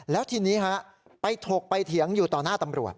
แล้วทีนี้ฮะไปถกไปเถียงอยู่ต่อหน้าตำรวจ